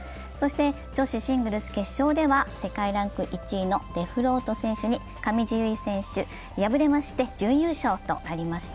女子シングル決勝では、世界ランク１位のデフロート選手に上地結衣選手が敗れまして、準優勝となりました。